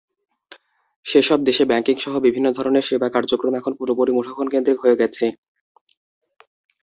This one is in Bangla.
সেসব দেশে ব্যাংকিংসহ বিভিন্ন ধরনের সেবা কার্যক্রম এখন পুরোপুরি মুঠোফোনকেন্দ্রিক হয়ে গেছে।